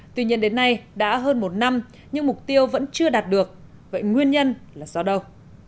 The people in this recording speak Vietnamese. tuy nhiên đến nay đã hơn một năm nhưng mục tiêu vẫn chưa đạt được vậy nguyên nhân là do đâu